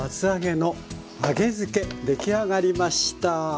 出来上がりました。